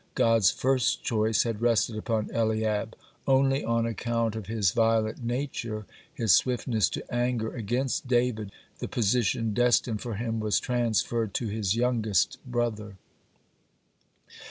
God's first choice had rested upon Eliab. Only on account of his violent nature, his swiftness to anger against David, the position destined for him was transferred to his youngest brother.